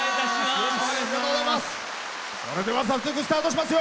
それでは、早速スタートしますよ。